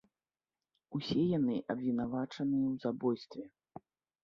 Усе яны абвінавачаныя ў забойстве.